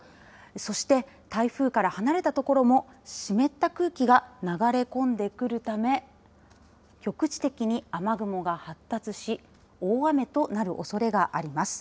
そして、台風から離れた所も湿った空気が流れ込んでくるため局地的に雨雲が発達し大雨となるおそれがあります。